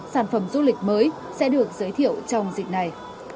sản phẩm du lịch mới sẽ được giới thiệu trong dịp này